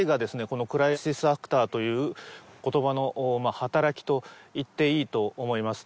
このクライシスアクターという言葉の働きと言っていいと思います